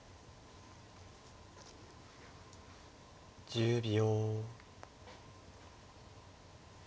１０秒。